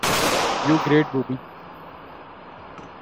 You great booby!